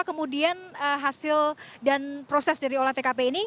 kemudian hasil dan proses dari olah tkp ini